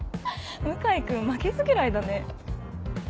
向井君負けず嫌いだね。